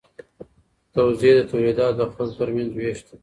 توزیع د تولیداتو د خلکو ترمنځ ویش دی.